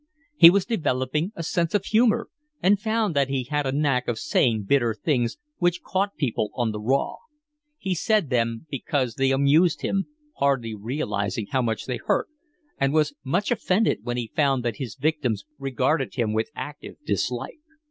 He was developing a sense of humour, and found that he had a knack of saying bitter things, which caught people on the raw; he said them because they amused him, hardly realising how much they hurt, and was much offended when he found that his victims regarded him with active dislike.